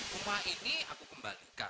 rumah ini aku kembalikan